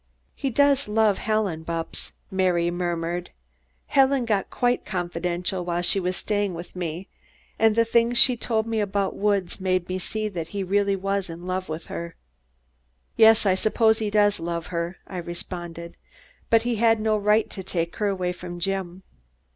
"He does love Helen, Bupps," Mary murmured. "Helen got quite confidential while she was staying with me, and the things she told me about Woods made me see he was really in love with her." "Yes, I suppose he does love her," I responded, "but he had no right to take her away from Jim."